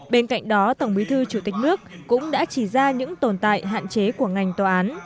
bên cạnh đó tổng bí thư chủ tịch nước cũng đã chỉ ra những tồn tại hạn chế của ngành tòa án